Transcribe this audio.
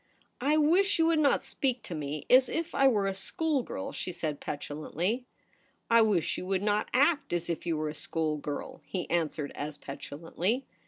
* I wish you would not speak to me as if I were a schoolgirl,' she said petulantly. * I wish you would not act as if you were a schoolgirl,' he answered as petulantly.